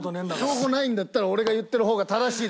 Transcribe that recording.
証拠ないんだったら俺が言ってる方が正しいです。